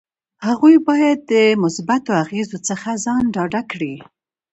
هغوی باید د مثبتو اغیزو څخه ځان ډاډه کړي.